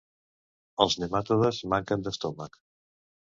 Els nematodes manquen d'estómac.